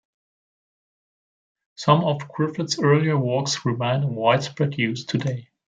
Some of Griffith's earlier works remain in widespread use today.